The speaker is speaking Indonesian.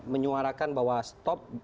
menyuarakan bahwa stop